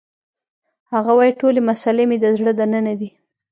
هغه وایی ټولې مسلې مې د زړه دننه دي